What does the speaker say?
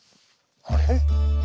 あれ？